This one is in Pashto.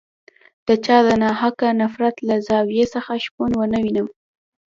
د چا د ناحقه نفرت له زاویې څخه شپون ونه وینم.